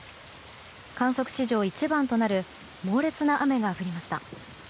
観測史上一番となる猛烈な雨が降りました。